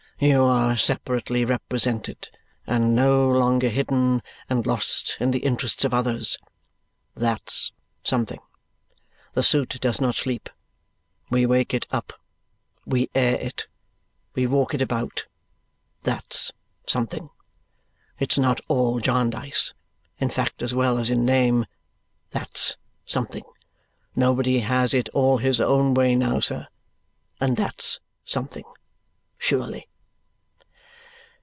You are separately represented, and no longer hidden and lost in the interests of others. THAT'S something. The suit does not sleep; we wake it up, we air it, we walk it about. THAT'S something. It's not all Jarndyce, in fact as well as in name. THAT'S something. Nobody has it all his own way now, sir. And THAT'S something, surely."